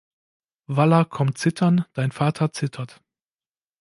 Vallah komm zittern, dein Vatter zittert.